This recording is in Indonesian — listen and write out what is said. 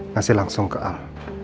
ngasih langsung ke al